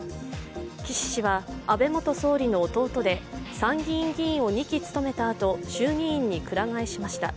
岸氏は、安倍元総理の弟で参議院議員を２期務めたあと衆議院にくら替えしました。